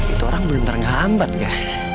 itu orang bener bener ngambat ya